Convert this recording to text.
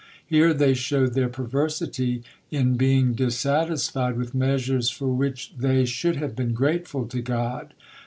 Here they showed their perversity in being dissatisfied with measures for which they should have been grateful to God.